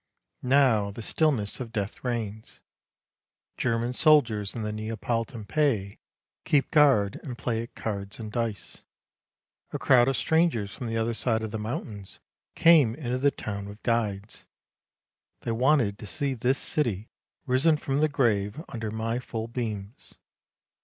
Now the stillness of death reigns. German soldiers in the Neapolitan pay keep guard and play at cards and dice. A crowd of strangers from the other side of the mountains came into the town with guides. They wanted to see this city risen from the grave under my full beams.